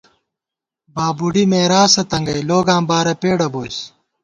بابُوڈی مېراثہ تنگَئ ، لوگاں بارہ پېڈہ بوئیس